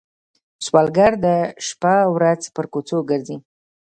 سوالګر د شپه ورځ پر کوڅو ګرځي